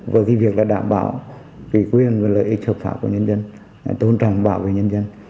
với việc đảm bảo quyền lợi ích hợp pháp của nhân dân tôn trọng bảo vệ nhân dân